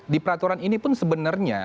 di peraturan ini pun sebenarnya